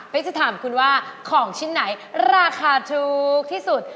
ใครของชิ้นไหนราคาถูกที่สุด